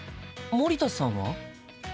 森田さんは？